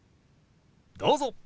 どうぞ。